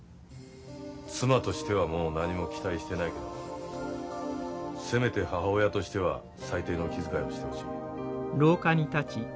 妻としてはもう何も期待してないけどせめて母親としては最低の気遣いをしてほしい。